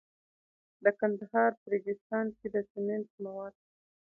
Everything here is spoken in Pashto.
د کندهار په ریګستان کې د سمنټو مواد شته.